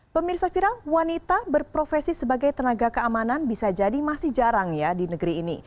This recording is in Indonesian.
pemirsa viral wanita berprofesi sebagai tenaga keamanan bisa jadi masih jarang ya di negeri ini